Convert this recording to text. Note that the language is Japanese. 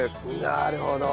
なるほど。